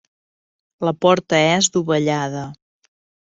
La porta és dovellada.